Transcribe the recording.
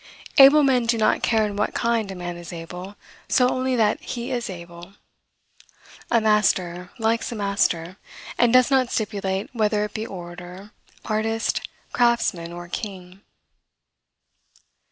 Able men do not care in what kind a man is able, so only that he is able. A master likes a master, and does not stipulate whether it be orator, artist, craftsman, or king.